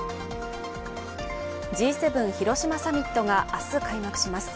Ｇ７広島サミットが明日、開幕します